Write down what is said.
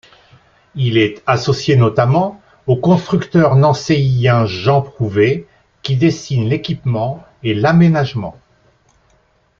Il est associé notamment au constructeur nancéien Jean Prouvé qui dessine l’équipement et l’aménagement.